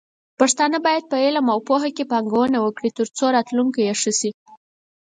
پښتانه بايد په علم او پوهه کې پانګونه وکړي، ترڅو راتلونکې يې ښه شي.